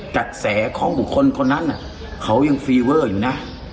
กระแสของบุคคลคนนั้นเขายังฟีเวอร์อยู่นะ